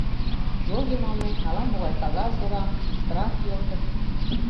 Йол йымалне ала-могай кагаз ора, куштыра кийылтыт.